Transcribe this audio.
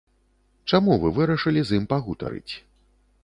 Чаму вы вырашылі з ім пагутарыць?